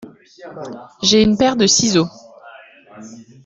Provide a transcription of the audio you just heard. J’ai une paire de ciseaux.